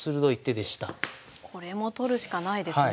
これも取るしかないですね。